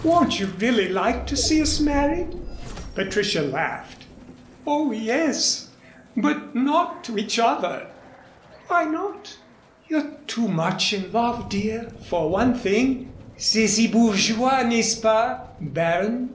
Won't you really like to see us married?" Patricia laughed. "Oh, yes but not to each other." "Why not?" "You're too much in love, dear, for one thing. _C'est si bourgeois n'est ce pas, Baron?